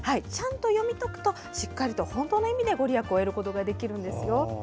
ちゃんと読み解くとしっかりと本当の意味で御利益を得ることができるんです。